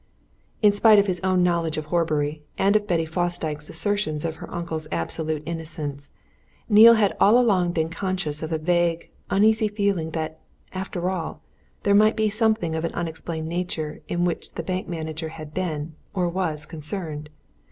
In spite of his own knowledge of Horbury, and of Betty Fosdyke's assertions of her uncle's absolute innocence, Neale had all along been conscious of a vague, uneasy feeling that, after all, there might be something of an unexplained nature in which the manager had been, or was concerned.